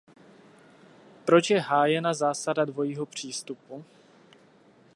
Proč je hájena zásada dvojího přístupu?